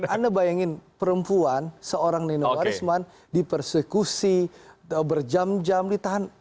anda bayangin perempuan seorang nino warisman dipersekusi berjam jam ditahan